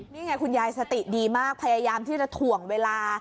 นี่ไงคุณยายสติดีมากพยายามที่จะถ่วงเวลา